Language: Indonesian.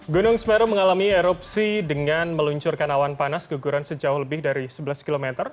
gunung semeru mengalami erupsi dengan meluncurkan awan panas guguran sejauh lebih dari sebelas km